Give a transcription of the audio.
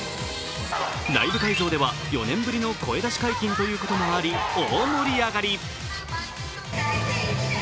ライブ会場では４年ぶりの声出し解禁ということもあり、大盛り上がり。